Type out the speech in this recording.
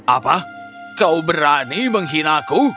apa kau berani menghina aku